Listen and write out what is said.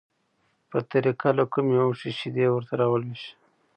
په طریقه له کومې اوښې شیدې ورته راولوشه،